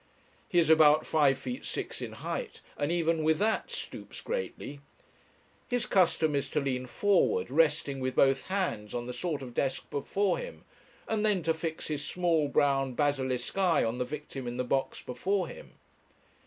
He is about five feet six in height, and even with that stoops greatly. His custom is to lean forward, resting with both hands on the sort of desk before him, and then to fix his small brown basilisk eye on the victim in the box before him.